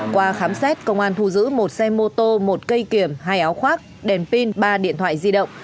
qua khám xét công an thu giữ một xe mô tô một cây kiềm hai áo khoác đèn pin ba điện thoại di động